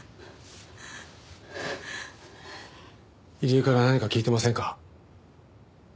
入江から何か聞いてませんか？